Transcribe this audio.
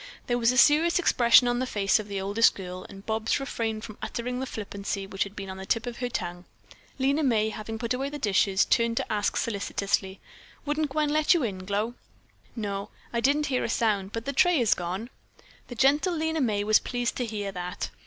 There was a serious expression on the face of the oldest girl and Bobs refrained from uttering the flippancy which had been on the tip of her tongue. Lena May, having put away the dishes, turned to ask solicitously: "Wouldn't Gwen let you in, Glow?" "No, I didn't hear a sound, but the tray is gone." The gentle Lena May was pleased to hear that.